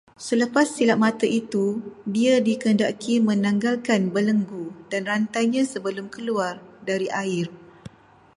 Selepas silap mata itu dia dikehendaki menanggalkan belenggu dan rantainya sebelum keluar dari air